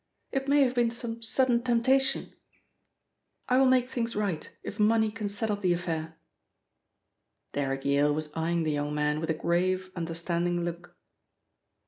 "It may have been some sudden temptation I will make things right, if money can settle the affair." Derrick Yale was eyeing the young man with a grave, understanding look.